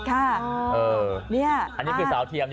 อันนี้คือสาวเทียม